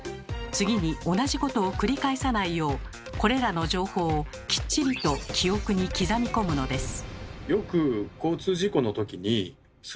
次に同じことを繰り返さないようこれらの情報をきっちりと記憶に刻み込むのです。